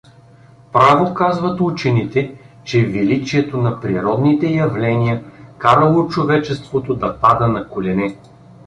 Право казват учените, че величието на природните явления карало человечеството да пада на колене.